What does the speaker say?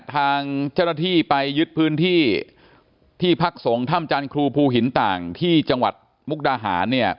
ทางเจ้าหน้าที่ไปยึดพื้นที่ที่พักสงฆ์ถ้ำจานครูภูหินต่างที่จังหวัดมุกดาหารเนี่ย